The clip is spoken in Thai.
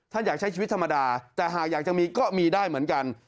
อยากใช้ชีวิตธรรมดาแต่หากอยากจะมีก็มีได้เหมือนกัน